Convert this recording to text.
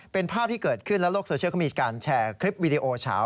เป็นภาพที่เกิดขึ้นและโลกโซเชียลก็มีการแชร์คลิปวิดีโอเฉา